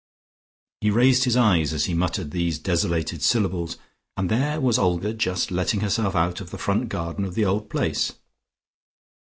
He raised his eyes as he muttered these desolated syllables and there was Olga just letting herself out of the front garden of the Old Place.